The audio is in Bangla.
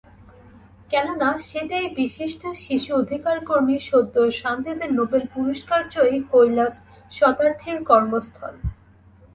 কেননা সেটাই বিশিষ্ট শিশু অধিকারকর্মী সদ্য শান্তিতে নোবেল পুরস্কারজয়ী কৈলাস সত্যার্থীর কর্মস্থল।